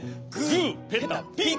グー・ペタ・ピン！